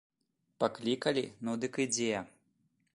Паклікалі, ну дык ідзе.